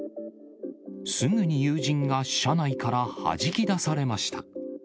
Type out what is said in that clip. すぐに友人が車内からはじき出されました。